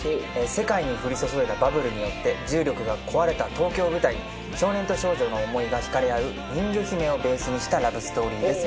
世界に降り注いだバブルによって重力が壊れた東京を舞台に少年と少女の想いが引かれ合う『人魚姫』をベースにしたラブストーリーです。